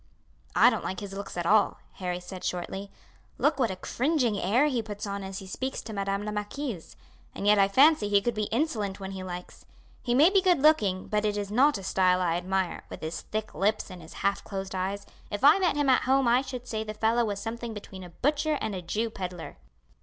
"I don't like his looks at all," Harry said shortly. "Look what a cringing air he puts on as he speaks to madame la marquise. And yet I fancy he could be insolent when he likes. He may be good looking, but it is not a style I admire, with his thick lips and his half closed eyes. If I met him at home I should say the fellow was something between a butcher and a Jew pedlar."